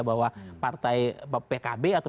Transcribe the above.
bahwa partai pkb atau